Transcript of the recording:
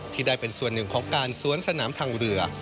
ที่ได้เป็นส่วนหนึ่งของการสวนสนามทางเรือ